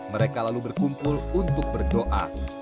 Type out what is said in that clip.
mereka lalu berkumpul untuk berdoa